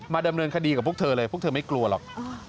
ดำเนินคดีกับพวกเธอเลยพวกเธอไม่กลัวหรอก